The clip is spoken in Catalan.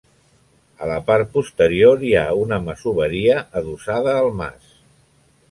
A la part posterior hi ha una masoveria adossada al mas.